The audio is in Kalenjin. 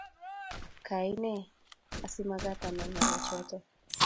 Kaine asiamagaat anay ngalechoto?